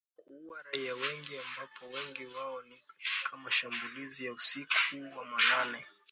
kuua raia wengi ambapo wengi wao ni katika mashambulizi ya usiku wa manane